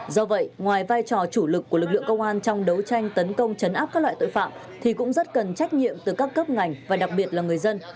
do vậy ngoài vai trò chủ lực của lực lượng công an trong đấu tranh tấn công chấn áp các loại tội phạm thì cũng rất cần trách nhiệm từ các cấp ngành và đặc biệt là người dân